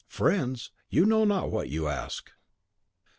"Friends! You know not what you ask."